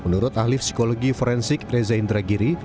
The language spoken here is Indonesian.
menurut ahli psikologi forensik reza indragiri